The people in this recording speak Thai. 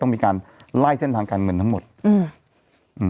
มีการไล่เส้นทางการเงินทั้งหมดอืมอืม